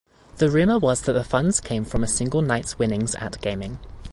The rumor was that the funds came from a single night's winnings at gaming.